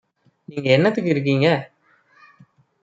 நீங்க என்னத்துக்கு இருக்கீங்க?